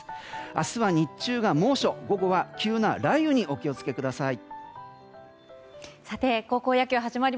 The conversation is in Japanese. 明日は日中が猛暑午後は急な雷雨にお気をつけください。